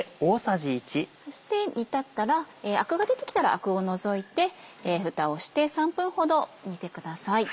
そして煮立ったらアクが出てきたらアクを除いてふたをして３分ほど煮てください。